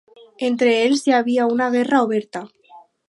Entre ells hi havia una guerra oberta.